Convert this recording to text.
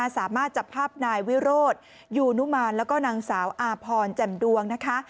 สามารถจับภาพนายวิโรธยูนุมานแล้วก็นางสาวอาพรแจ่มดวงนะคะ